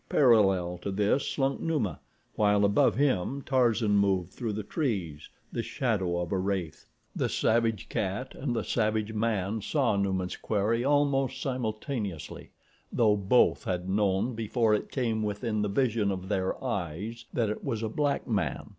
Parallel to this slunk Numa, while above him Tarzan moved through the trees, the shadow of a wraith. The savage cat and the savage man saw Numa's quarry almost simultaneously, though both had known before it came within the vision of their eyes that it was a black man.